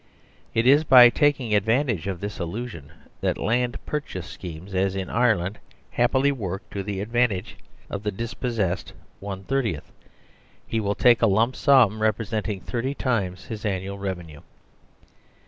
It is by taking advantage of this illusion that land pur chase schemes (as in Ireland) happily work to the advantage of the dispossessed. 147 THE SERVILE STATE one thirtieth, he will take a lump sum representing thirty times his annual revenue.